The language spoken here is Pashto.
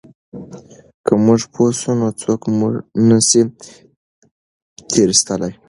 که موږ پوه سو نو څوک مو نه سي تېر ایستلای.